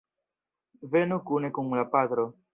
Venu kune kun la patro.